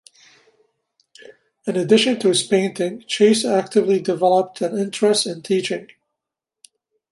In addition to his painting, Chase actively developed an interest in teaching.